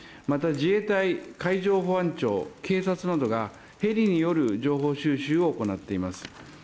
また自衛隊、海上保安庁、警察などがヘリによる情報収集を行っています。